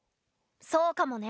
そうかもね。